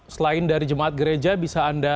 selain dari jemaat gereja bisa anda